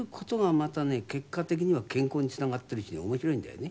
結果的には健康につながっているしね面白いんだよね。